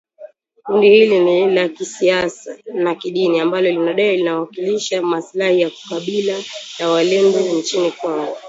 Kundi hili ni la kisiasa na kidini ambalo linadai linawakilisha maslahi ya kabila la walendu nchini Kongo